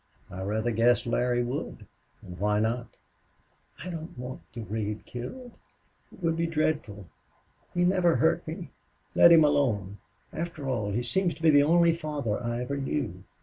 "I rather guess Larry would. And why not?" "I don't want Durade killed. It would be dreadful. He never hurt me. Let him alone. After all, he seems to be the only father I ever knew.